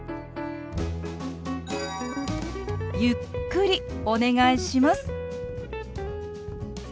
ゆっくりお願いします。